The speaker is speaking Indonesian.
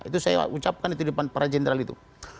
itu saya ucapkan itu di depan para jenderal itu